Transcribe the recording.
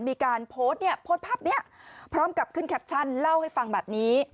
มีการโพสต์เนี่ยโพสต์ภาพนี้พร้อมกับขึ้นแคปชั่นเล่าให้ฟังแบบนี้